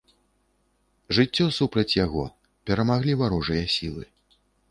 Жыццё супраць яго, перамаглі варожыя сілы.